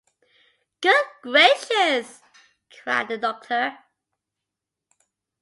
“Good Gracious!” cried the Doctor.